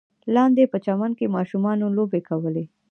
لاندې په چمن کې ماشومانو لوبې کولې.